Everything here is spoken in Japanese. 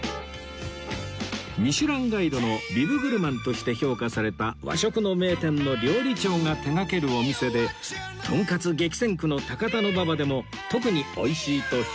『ミシュランガイド』のビブグルマンとして評価された和食の名店の料理長が手がけるお店でとんかつ激戦区の高田馬場でも特に美味しいと評判に